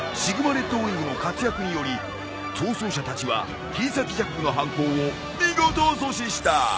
レッドウィングの活躍により逃走者たちは切り裂きジャックの犯行を見事阻止した！